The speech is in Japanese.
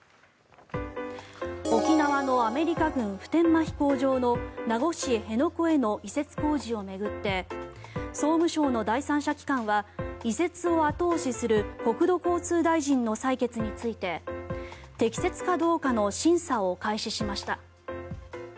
沖縄のアメリカ軍普天間飛行場の名護市辺野古への移設工事を巡って総務省の第三者機関は移設を後押しする国土交通大臣の裁決について適切かどうかの審査を開始しました。